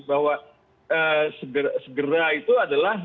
bahwa segera itu adalah